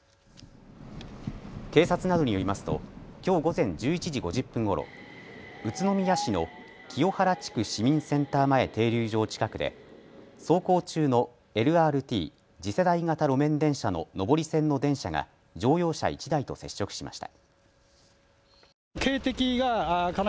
警察などによりますときょう午前１１時５０分ごろ宇都宮市の清原地区市民センター前停留場近くで走行中のＬＲＴ・次世代型路面電車の上り線の電車が乗用車１台と接触しました。